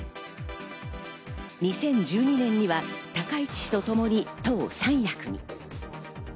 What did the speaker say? ２０１２年には高市氏とともに党三役に。